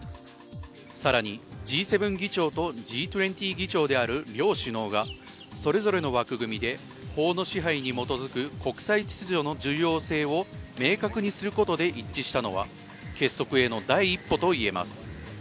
更にＧ７議長とＧ２０議長である両首脳がそれぞれの枠組みで法の支配に基づく国際秩序の重要性を明確にすることで一致したのは、結束への第一歩といえます。